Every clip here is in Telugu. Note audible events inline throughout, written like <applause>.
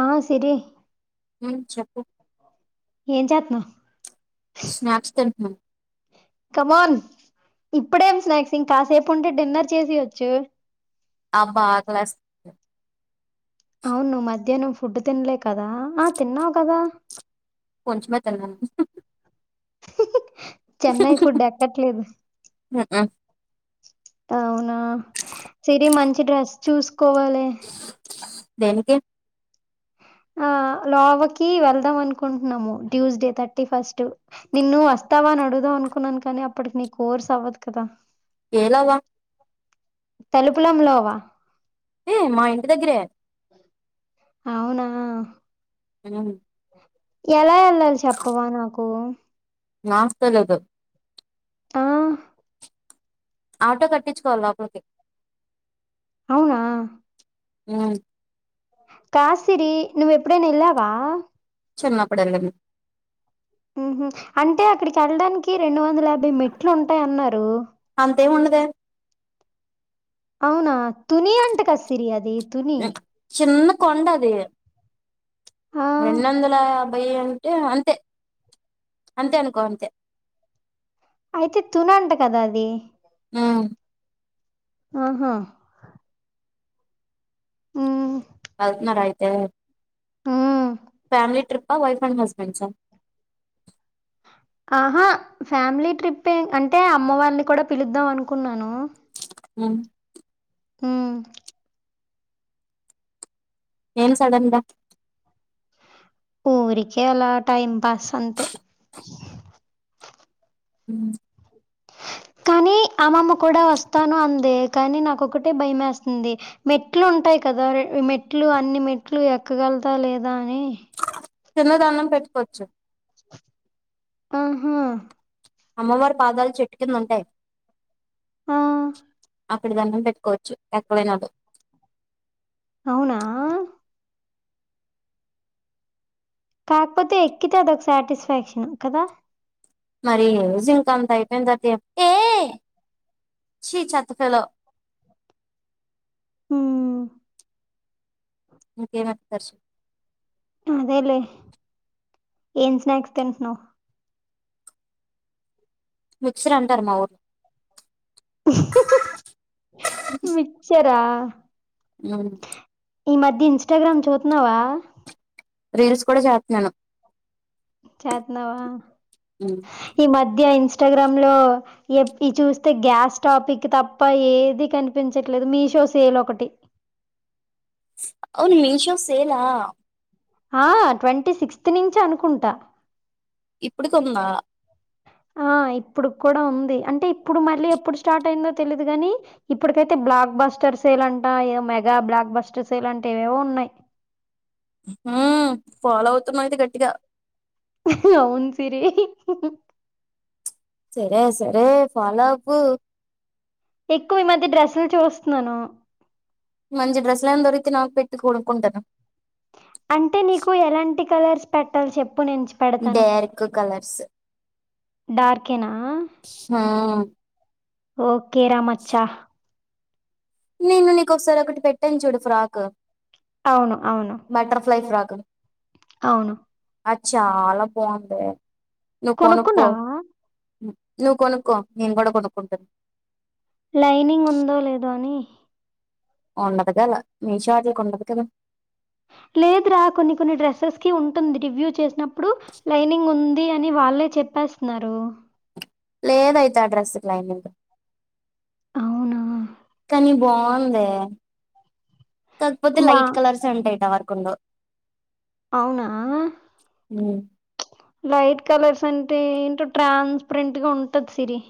ఆ సిరి ఉ చెప్పు ఏం చేత్తన్నావ్ స్నాక్స్ తింటున్నాను కమాన్ ఇప్పుడేం స్నాక్స్ ఇం కాసేపు ఉంటే డిన్నర్ చేసేయొచ్చు అబ్బా క్లాస్ అవును మధ్యాహ్నం ఫుడ్ తిన్లే కదా ఆ తిన్నావు కదా కొంచమే తిన్నా చెన్నై ఫుడ్ ఎక్కట్లేదు ఉ అవును ఆ సిరి మం ఈ డ్రెస్ చూస్ కోవాలి దేనికే ఆ లోవాకి వెళ్దాం అనుకుంటున్నాము ట్యూస్డే థర్టీ ఫస్ట్ నిన్ను వస్తావా అని అడుదాం అనుకున్నాను కానీ అప్పటికి నీ కోర్స్ అవ్వదు కదా ఏ లోవా తలుపులం లోవా ఏ మా ఇంటి దగ్గరే అవునా అవును. ఎలా వెళ్ళాలి చెప్పవా నాకు. నాస్తలేదద్. ఆహ్. ఆటో కట్టించుకోవాలి లేకపోతే. అవునా. అవును. కాద్ సిరి నువ్వు ఎప్పుడైనా ఎళ్ళావా. చిన్నప్పుడు వెళ్ళాను. ఉహూ అంటే అక్కడికెళ్ళడానికి రెండు వందలు. యాభై మెట్లుంటాయ్ అన్నారు. ఏంవుండదే. అవునా తుని అంట కదా సిరి అది తుని. ఉమ్, చిన్న కొండ అది. ఆ రెండొందలా. బేయ్ అంటే అంతే అంతే అనుకో అంతే. అయితే తునంట కదా అది. ఉమ్మ్ ఆహా. అట్లనా అయితే. ఉమ్మ్. ఫ్యామిలీ ట్రిపా వైఫ్ అండ్ హస్బెండ్సా. ఆహా ఫ్యామిలీ ట్రిపె అంటే అమ్మవాళ్ళని కూడా పిలుద్దాం అనుకున్నాను. ఉమ్ ఉమ్ ఏం సడన్ గా. ఊరికే అలా టైం పాస్ అంతే. ఉమ్ కానీ అమ్మమ్మ కూడా వస్తాను అందే కాని నాకొక్కటే భయమేస్తంది మెట్లు ఉంటాయి కదా మెట్లు అన్ని మెట్లు ఎక్కగలతాద లేదా అని. కింద దండం పెట్టుకోచ్చు. ఆహా. అమ్మవారి పాదాలు చెట్టుకిందుంటాయ్. ఆహ్. అక్కడ దండం పెట్టుకోవచ్చు ఎక్కడైనా అదే. అవునా. కాకపోతే ఎక్కితే అదొక సాటిస్ఫాక్షన్ కదా. మరి జింకా అంత అయిపోయింది అంతే. ఉమ్మ్ ఇంకేం ఆకర్షణ. అదేలే ఏం స్నాక్స్ తింటూనవ్. మిక్సర్ అంటారు మా ఊరు. మిక్చరా. ఉమ్ ఈ మధ్య ఇన్స్టాగ్రామ్ చూతున్నావా. రీల్స్ కూడా చేస్తున్నాను. చేత్నావా ఉమ్ ఈ మధ్య ఇన్స్ ఇన్స్టాగ్రామ్ లో ఈ చూస్తే గ్యాస్ టాపిక్ తప్ప ఏది కనిపించట్లేదు మీషో సేల్ ఒకటి అవును మీషో సేలా ఆ ట్వంటీ సిక్స్త్ నుంచి అనుకుంటా ఇప్పుడు కొందా ఆ ఇప్పుడు కూడా ఉంది అంటే ఇప్పుడు మళ్ళీ ఎప్పుడు స్టార్ట్ అయిందో తెలిదు కాని ఇప్పుటికైతే బ్లాక్ బస్టర్ సేల్ అంటా మెగా బ్లాక్ బస్టర్ సేల్ అంటే ఇవేవో ఉన్నాయ్ ఉమ్ ఫాలో అవుతున్నా అయితే గట్టిగా అవును సిరి సరే సరే ఫాలో అవ్వు ఎక్కువ ఈ మధ్య డ్రెస్సులు చూస్తున్నాను మంచి డ్రెస్ ల దొరికితే నాకు పెట్టి కూడుక్కుంటాను అంటే నీకు ఎలాంటి కలర్స్ పెట్టల్ చెప్ డేర్క్ కలర్స్ డార్కేనా హ ఓకే రా మచ్చ నేను నీకు ఒకసారి ఒకటి పెట్టాను చూడు ఫ్రాక్ అవును అవును బటర్ఫ్లై <inaudible> అవును అచ్చా అలా బావుంటాయి నువ్ కొనుక్కో కొనుక్కున్నావా నువ్వు కొనుక్కో నేను కూడా కొనుక్కుంటాను లైనింగ్ ఉందో లేదో అని ఉండదుగాదా మీషో ఆటకొండదు కదా లేదరా కొన్ని కొన్ని డ్రెస్సెస్ కి ఉంటుంది రివ్యూ చేసినప్పుడు లైనింగ్ ఉంది అని వాళ్లేే చెప్పేస్తున్నారు లేదయితే ఆ డ్రెస్సుకి లైనింగ్ అవునా కని బాగుందే కాకపోతే బా లైట్ కలర్స్ అంటాయి ట వ కుంద అవునా ఉమ్ లైట్ కలర్స్ అంటే ఏంటో ట్రాన్స్పరెంట్ గా ఉంటది సిరి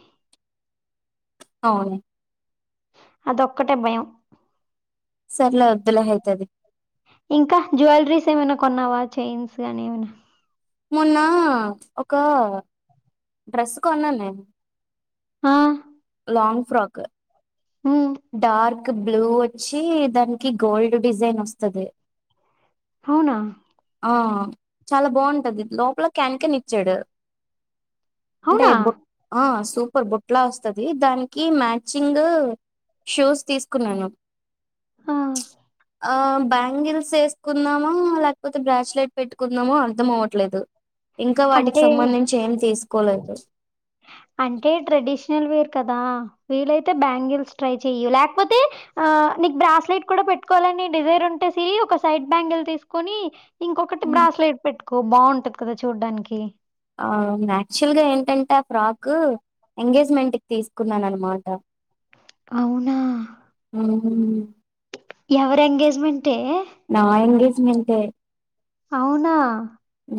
అవును అదొక్కటే భయం సర్లే అద్దులే అయితది ఇంకా జ్యువెలరీస్ ఏమైనా కొన్నావా చైన్స్ గానీ ఏమైనా మొన్న ఒక డ్రెస్ కొన్నాను నే ఆ long frock hmm. Dark blue వచ్చి దానికి గోల్డ్ డిజైన్ వస్తది అవునా ఆ చాలా బాగుంటది లోపల క్యాన్కెన్ ఇచ్చాడు అంటే అవునా? భో ఆ సూపర్ బుట్లా వస్తది దానికి మ్యాచింగ్ షూస్ తీసుకున్నాను ఆ ఆ బ్యాంగిల్స్ వేసుకుందామా లేకపోతే బ్రాచ్లెట్ పెట్టుకుందామా అర్ధం అవట్లేదు ఇంకా వాటికి అంటే, సంబంధించి ఏం తీసుకో అంటే ట్రెడిషల్ వేర్ కదా వీలైతే బ్యాంగిల్స్ ట్రై చెయ్య లేకపోతే ఆ నీకు బ్రాస్లెట్ కూడా పెట్టుకోవాలని డిజైర్ ఉంటేసిరి ఒక సైడ్ బ్యాంగిల్ తీసుకొని ఇంకొకటి బ్రాస్లేట్ పెట్టు కొ బాగుంటది కదా చూడ్డానికి ఆ యాక్చువల్ గా ఏంటంటే ఆ ఫ్రాక్ ఎంగేజ్మెంట్కిి తీసుకున్నాను అన్నమాట అవునా ఆ ఎవరి ఎంగేజ్మెంట్ ఏ నా ఎంగేజ్మెంట్ ఏ అవునా ఉ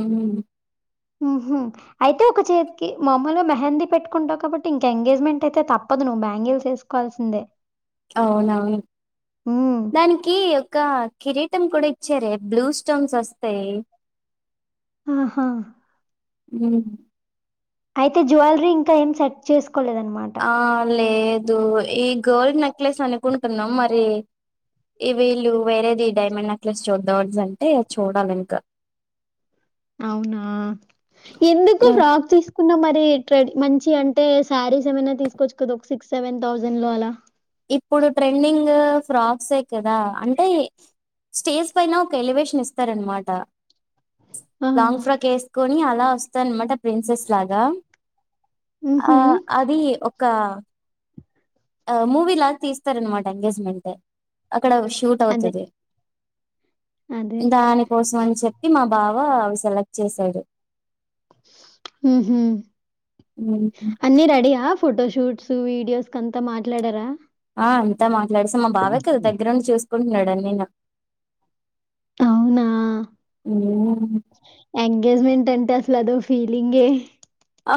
మ్ హు అయితే ఒక చేతికి మములుగా మెహందీ పెట్టుకుంటావు కాబట్టి ఇంకా ఎంగేజ్మెంట్ అయితే తప్పదు నువ్వు బ్యాంగిలు చేసుకోవాల్సిందే అవునవును దానికి ఒక కిరీట్ టం కూడా ఇచ్చారే బ్లూ స్టోన్స్ వస్తాయి ఆహా హు అయితే జ్యువెలరీ ఇంకా ఏం సెట్ చేసు ఆ అ లేే దు ఈ గోల్డ్ నెక్లేెస్ అనుకు టున్నాం మరి ఈ వీళ్ళు వేరేది డైమండ్ నెక్లెస్ చూద్దవ అంటే చూడాలి ఇంకా అవునా ఎందుకు ఉమ్, ఫ్రాక్ తీసుకున్న మరి ట్రె మంచి అంటే శారీస్ ఏమైనా తీసుకోవచ్చు కదా ఒక సిక్స్ సెవెన్ థౌజండ్ లో అలా ఇప్పుడు ట్రెండింగ్ ఫ్రాక్స్ ఏ కదా అంటే స్టేజ్ పైైన ఒక ఎలివేషన్ ఇస్తారనమాట ఆ! లాంగ్ ఫ్రాక్ వేసుకొని అ లా వస్తాన్న మాట ప్రిన్సెస్ లాగా ఆ హుహు. అది ఒక కా ఆ మూవీ లాగా తీస్తారనమాట ఎంగేజ్మెంట్ అక్కడ షూట్ అదే. అవుతది అదే. దానికోసం అని చెప్ కి మా బావ అవి సెలెక్ట్ చేసాడు ఉహు అన్నీ రెడీ యా ఫోటోషూట్స్ వీడియోస్ కంతా మాట్లాడారా ఆ అంతా మా నడుసా మా బావే కద దగ్గరన్ చూస్ కున్న డా నిన్న అవునా ఎంగేజ్మెంట్ అన్ తెస్లాదో ఫీలింగే ఆ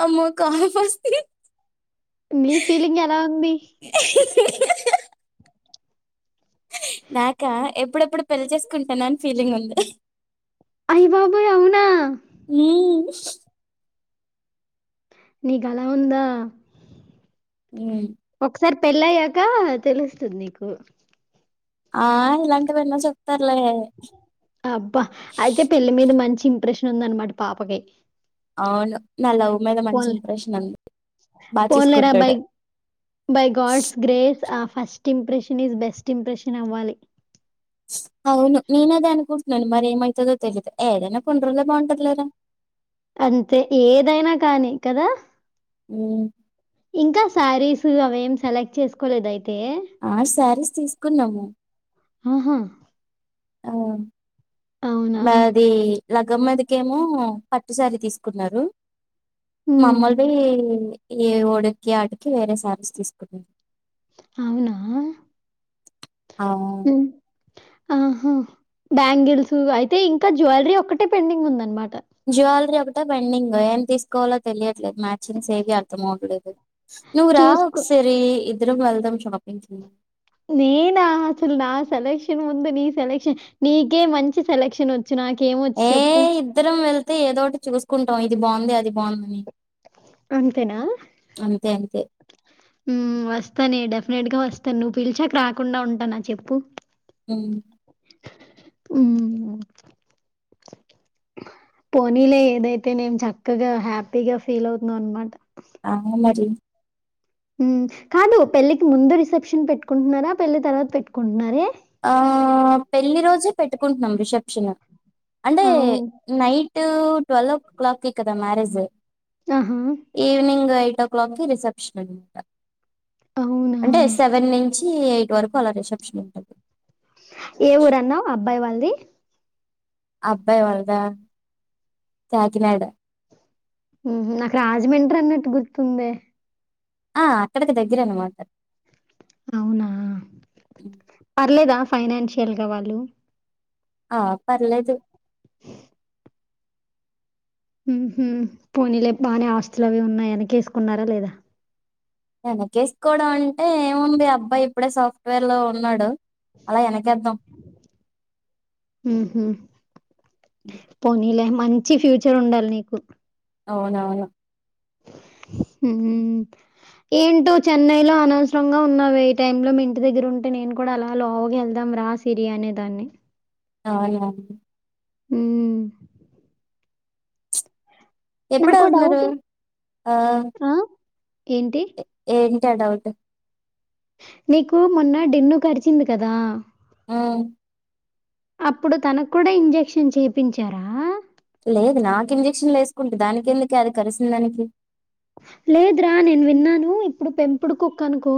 ఆమ్మో కఫ్ అసూన్ నీ ఫీలింగ్ ఎలా ఉంది నాకా ఎప్పుడెప్పుడు పెళ్లి చేస్ కుంటనాని ఫీలింగ్ ఉంది అయ్య బాబోయ్ అవునా నీకు అలా ఉందా ఉ పెళ్ళ అయ్యాక తెలుస్తుంది నీకు ఆ ఇలాంటివెన్నో చెప్ అబ్బా అయితే పెళ్లి మీద మంచి ఇంప్రెషన్ ఉంది అనమాట పాపకి అవును నా లవ్ మీద మంచి పోన్ లే ఇంప్రెషన్ ఉంది బాగా పోన్ లేరా బై చూసుకుంటాడు బై గడ్స్ గ్రేస్ ఆ first impression is best impression అవ్వాలి అవును నేను అదే అనుకున్ నున్ను మరి ఏమ్ ఐతదో తెలీయదు ఏదైనా కొన్ని రోజులే బాగుంటది లేరా అంతే ఏదైనా కానీ కదా ఉ ఇంకా శారీస్ అవేం సెలెక్ట్ చేసుకోలేదు అయి ఆ శారీస్ తీసుకున్నాము ఆహా ఆ అవునా మది లగ్గం మీదకేమో పట్టుసారి తీసుకున్నారు ఉమ్, శళ ఈ ఓడికి అటికి వేరే సారీస్ తీసుకున్నాం అవునా అ ఆహా బ్యాంగిల్స్ అయితే ఇంకా జ్యువెలరీ ఒక్కటే పెండింగ్ ఉంద అనమాట జ్యువెలరీ ఒకటే పెండింగ్ ఏం తీసుకోవాలో తెలియ మ్యాచింగ్ సేమ్ అర్థం కావట్లేదు నువ్వు కూడా చూసుకో ఒకసారి ఇద్దరు వెళ్దాం షాపింగ్ కి నేనా అసలు నా సెలక్షన్ ముందు నీ సెలక్షన్ నీకే మంచి సెలక్షన్ వు వచ్చు నాకేమొచ్చ ఏ చెప్పు ఇద్దరం వెళ్తే ఏదోటి చూసుకుంటాం ఇది బాగుంది అది బాగుందని అంతేనా అంతే అంతే వస్తానే డెఫినెట్ గా వస్తాను నువ్వు పిలిచాక రాకుండా ఉంటానా చెప్పు అ పోనీలే ఏదైతే నేం చక్కగా హ్యాపీగా ఫీల్ అవుతున్నాం అనమాట ఆ మరి ఉ కాదు పెళ్ళికి ముందు రిసెప్షన్ పెట్టుకుంటున్నారా పెళ్లి తర్వాత పెట్టుకుంటున్నారే రసెప్షనా అంటే అవును నైటూ ట్వల్వ్ ఓ క్లాక్కి కదా మ్యారేజ్ ఆహా ఈవినింగ్ అయి ఎయిట్ ఓ క్లాక్కి రిసెప్షన్ అంటా అవునా అంటే సెవెన్ నుంచి ఎయిట్ వరకు అలా రిసెప్షన్ ఉంటది ఏ ఊరన్నావ్ అబ్బాయి వాళ్ళ ది అబ్బాయి వాళ్ళ దా కాకినాడ ఉహు నాకు రాజమండ్రి అన్నట్టు గుర్తుందే ఆ అక్కడికి దగ్గరే అన్నమాట అవున. పర్లేదా ఫైనాన్షియల్ గా వాళ్ళు ఆ.... పర్లేదు ఊహూ పోనీలే బానె ఆస్తులు అవి ఉన్నాయి వెనకేసుకున్నారా లేదా వెనకేసుకోవడం అంటే ఏముంది అబ్బాయి ఇప్పుడే సాఫ్ట్వేర్లో ఉన్నాడు అలా వెనకేద్దాం ఊహూ పోనిలే మంచి ఫ్యూచర్ ఉండాలి నీకు అవునవును మ్... ఏంటో చెన్నైలో అనవసరంగా ఉన్నావే ఈ టైం లో మీ ఇంటి దగ్గర ఉంటే నేను కూడా అలా లోవుకి వెళ్దాం రా సిరి అనే దాన్ని అవునా మ్.. ఎప్పుడు నాకో వెళ్తున్నారు డౌటు ఆ.. ఆ? ఏంటి టా డౌట్ నీకూ.. మొన్న డిన్ను కరిచింది కదా మ్.. అప్పుడు తనకు కూడా ఇంజెక్షన్ చేపించారా లేదు నాకు ఇంజక్షన్లు వేసుకుంటే దానికి ఎందుకే అది కరిసిన దానికి లేదురా నేను విన్నాను ఇప్పుడు పెంపుడు కుక్కనుకో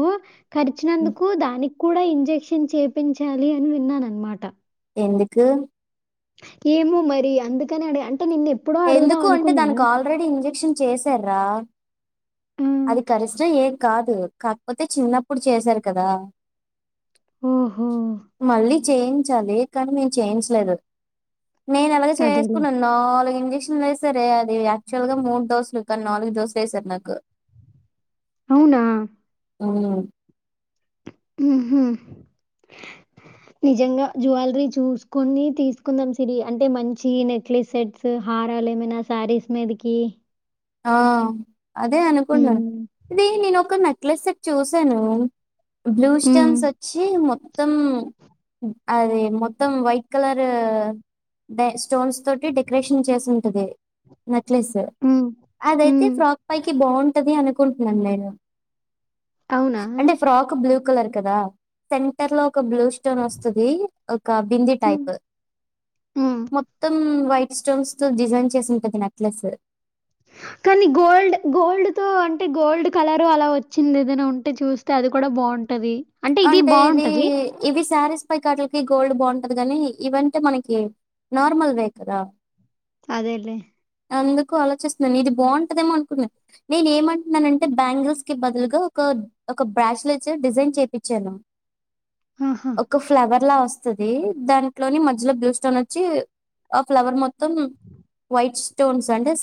ఉమ్, కరిచినందుకు దాని కూడా ఇంజెక్షన్ చేపించాలి అని విన్నానన్నమాట ఎందుకూ ఏమో మరి అందుకనె అ అడు ఎందుకు అంటే దానికి ఆల్రెడీ ఇంజెక్షన్ చేసార్రా ఆ, అది కరిస్తే ఏం కాదు కాకపోతే చిన్నప్పుడు చేశారు కదా ఓహో.. మళ్ళీ చేయించాలి కానీ మేం చేయించలేదు నేను ఎలాగో అదేలే చేయించుకున్న ను నాలుగు ఇంజక్ష క్షన్లు ఏ సారే అది ఆ క్చుఆల్ మూడుడోసులు.. కాన్ నాలుగు దోసలేసార్ నాకు అవునా అవును మ్ హుమ్ నిజంగా జ్యువెలరీ చూసుకొని తీసుకుందాం సిరి అంటే మంచి నెక్లెస్ సెట్స్ హారాలు ఏమైనా శారీస్ మీదికి ఆ అదే అనుకుంటన్నాను ఉమ్, ఇది నేను ఒకక్క నచ్ క్లెస్ సెట్ చూసాను బ్లూ ఉమ్, స్టోన్స్ వచ్చి మొత్తం అది మొత్తం వైట్ కలర్ దే స్టోన్స్ తోటి డెకరేషన్ చేసి ఉంటుది న త్ క్లిస్స్ ఉమ్, అదైతే ఉమ్. ఫ్రాక్ పైకి బాన్ టది అనుకుంటున్నా నేను అవునా అంటే ఫ్రాక్ బ్లూ కలర్ కదా సెంటర్ లో ఒక బ్లూ స్టోన్ వస్తుంది ఒక బింది ఉమ్, టైప్ ఉమ్. మొత్తం వైట్ స్టోమ్స్ త డిజైన్ చేసి ఉంటంది నెక్లెస్ కానీ గోల్డ్ గోల్డ్ తో అంటే గోల్డ్ కలరు అలా వచ్చింది ఏదనా ఉంటే చూస్తే అది కూడా బాగుంటది అంటే ఇది ఇది శారీ రై కార్డులకి గోల్డ్ బాగుంటది కాగాని ఇవంటే మనకి నార్మల్ వే కదా అదేలేే అందుకు ఆలోచిస్తున్నాను ఇది బాగుంటదేమో అనుకున్నాను నేను ఏమంటున్నానంటే బ్యాంగిల్స్ కి బదులుగా ఒక బ్రాస్లైట్ డిజైన్ చెపిచ్చి పిచలం ఆహా! ఒక ఫ్లేవర్ లా వస్తా వస్తది దాంట్లోని మధ్యలో బ్లూ స్టోన్ వచ్చి ఆ ఫ్లవర్ మొత్తం వైట్ స్టోన్స్ అంటే